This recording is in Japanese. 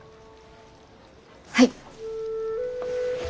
はい！